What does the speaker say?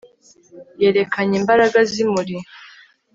yerekanye imbaraga zimuri